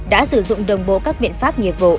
đã sử dụng đồng bộ các biện pháp nghiệp vụ